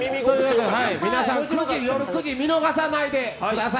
皆さん、夜９時、見逃さないでください。